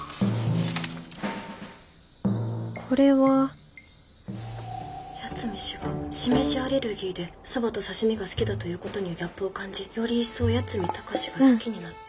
これは八海氏がしめじアレルギーで蕎麦と刺身が好きだということにギャップを感じより一層八海崇が好きになった。